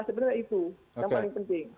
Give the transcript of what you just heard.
sebenarnya itu yang paling penting